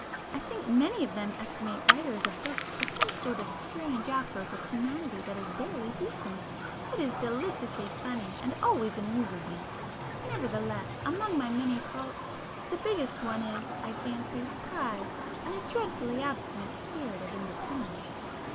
"I think many of them estimate writers of books as some sort of strange outgrowth of humanity that is barely decent. It is deliciously funny and always amuses me,—nevertheless, among my many faults, the biggest one is, I fancy, pride, and a dreadfully obstinate spirit of independence.